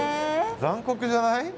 残酷じゃない？